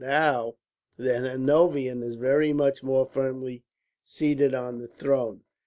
Now the Hanoverian is very much more firmly seated on the throne.